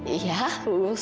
iya bubur sum sum